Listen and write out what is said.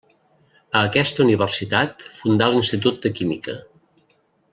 A aquesta universitat fundà l'Institut de química.